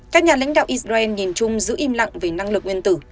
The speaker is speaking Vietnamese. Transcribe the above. các nhà lãnh đạo israel nhìn chung giữ im lặng về năng lực nguyên tử